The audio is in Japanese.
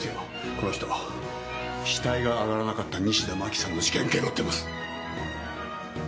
この人死体が挙がらなかった西田真紀さんの事件げろってます。